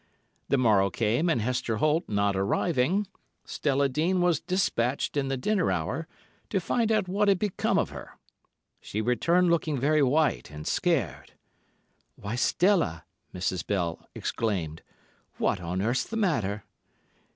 The morrow came, and Hester Holt not arriving, Stella Dean was despatched in the dinner hour to find out what had become of her. She returned looking very white and scared. "Why, Stella," Mrs. Bell exclaimed. "What on earth's the matter?"